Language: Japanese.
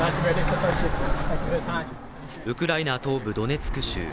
ウクライナ東部ドネツク州。